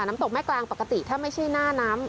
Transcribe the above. น้ำตกแม่กลางปกติถ้าไม่ใช่หน้าน้ำ